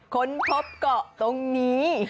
ค้นพบเกาะตรงนี้